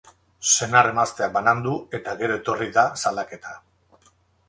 Senar-emazteak banandu eta gero etorri da salaketa.